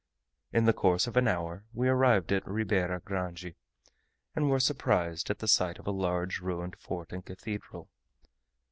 In the course of an hour we arrived at Ribeira Grande, and were surprised at the sight of a large ruined fort and cathedral.